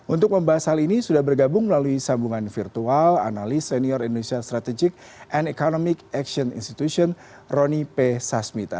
untuk membahas hal ini sudah bergabung melalui sambungan virtual analis senior indonesia strategic and economic action institution rony p sasmita